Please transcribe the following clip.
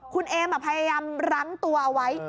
คุณเอมพยายามรั้งตัวเอาไว้